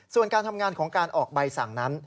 ส่วนการทำงานของการออกใบสั่งนั้น